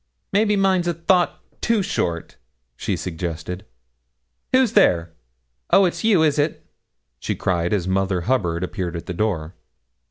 'Maybe mine's a thought too short?' she suggested. 'Who's there? Oh! it's you, is it?' she cried as Mother Hubbard appeared at the door.